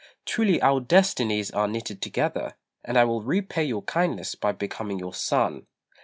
Truly our destinies are knitted together, and I will repay your kindness by becoming your son."